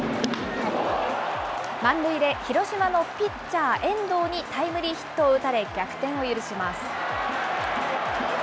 満塁で広島のピッチャー、遠藤にタイムリーヒットを打たれ逆転を許します。